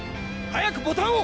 早くボタンを！